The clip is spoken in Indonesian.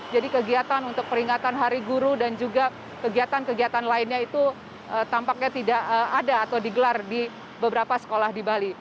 jadi kegiatan untuk peringatan hari guru dan juga kegiatan kegiatan lainnya itu tampaknya tidak ada atau digelar di beberapa sekolah di bali